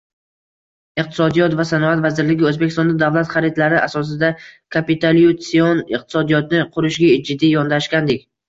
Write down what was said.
Iqtisodiyot va sanoat vazirligi O'zbekistonda davlat xaridlari asosida kapitulyatsion iqtisodiyotni qurishga jiddiy yondashgandek